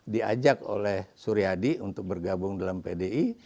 diajak oleh suryadi untuk bergabung dalam pdi